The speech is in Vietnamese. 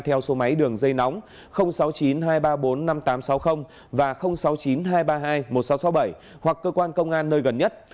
theo số máy đường dây nóng sáu mươi chín hai trăm ba mươi bốn năm nghìn tám trăm sáu mươi và sáu mươi chín hai trăm ba mươi hai một nghìn sáu trăm sáu mươi bảy hoặc cơ quan công an nơi gần nhất